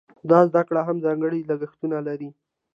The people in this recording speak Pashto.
دا زده کړه هم ځانګړي لګښتونه لري.